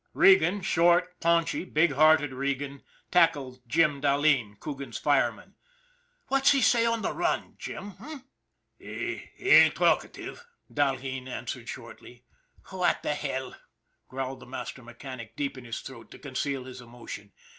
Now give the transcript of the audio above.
Regan, short, paunchy, big hearted Regan, tackled Jim Dahleen, Coogan's fireman. " What's he say on the run, Jim, h'm? " GUARDIAN OF THE DEVIL'S SLIDE 163 " He ain't talkative/' Dahleen answered shortly. " What the hell," growled the master mechanic deep in his throat, to conceal his emotion.